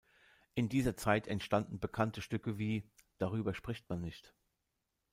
In dieser Zeit entstanden bekannte Stücke wie "Darüber spricht man nicht!